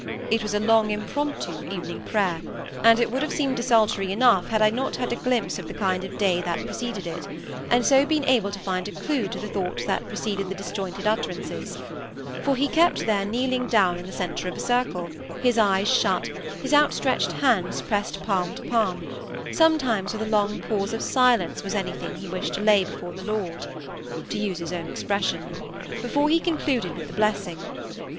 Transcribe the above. It was a long impromptu evening prayer; and it would have seemed desultory enough had I not had a glimpse of the kind of day that preceded it, and so been able to find a clue to the thoughts that preceded the disjointed utterances; for he kept there kneeling down in the centre of a circle, his eyes shut, his outstretched hands pressed palm to palm—sometimes with a long pause of silence was anything else he wished to "lay before the Lord! (to use his own expression)—before he concluded with the blessing.